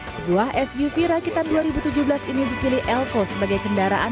sebuah suv rakitan dua ribu tujuh belas ini dipilih elco sebagai kendaraan